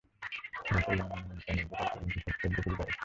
ডঃ Longman American agricultural রিসার্চের deputy director.